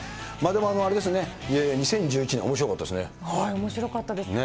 でもあれですね、２０１１年、おもしろかったですね。